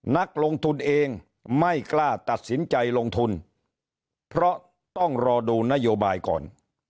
นักลงทุนเองไม่กล้าตัดสินใจลงทุนเพราะต้องรอดูนโยบายก่อน